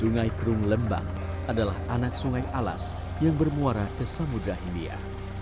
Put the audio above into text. sungai kerung lembang adalah anak sungai alas yang bermuara ke samudra hindia